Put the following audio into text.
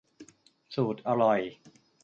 สูตรอร่อย